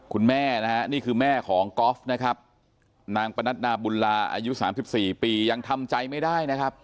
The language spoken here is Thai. คุณแม่นะฮะนี่คือแม่ของกอล์ฟนะครับนางปนัดนาบุญลาอายุ๓๔ปียังทำใจไม่ได้นะครับ